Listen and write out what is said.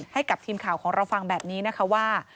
ให้กับทีมข่าวของเราฟังแบบนี้นะคะว่า